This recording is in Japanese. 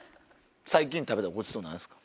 最近食べたごちそう何ですか？